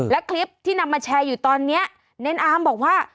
และคลิปที่นำมาแชร์อยู่ตอนนี้เน้นอาร์มบอกว่า